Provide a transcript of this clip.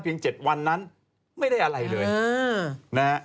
เพียง๗วันนั้นไม่ได้อะไรเลย